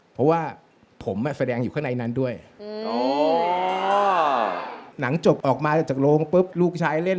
เพราะว่าผมแสดงอยู่กับนางนางจบลูกชายเล่น